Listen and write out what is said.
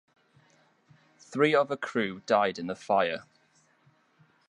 Three of her crew died in the fire.